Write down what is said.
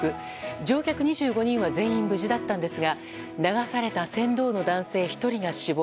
乗客２５人は全員無事だったんですが流された船頭の男性１人が死亡。